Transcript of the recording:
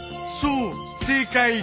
そう正解！